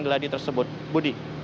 jadi tersebut budi